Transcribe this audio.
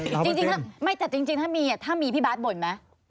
จริงถ้ามีพี่บาสบ่นไหม